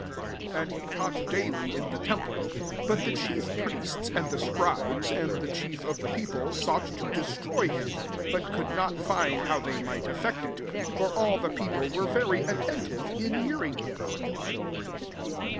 47 And he taught daily in the temple. But the chief priests, and the scribes, and the chief of the people, sought to destroy him; 48 but could not find how they might effect it : for all the people were very attentive in hearing him.